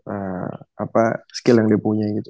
apa skill yang dia punya gitu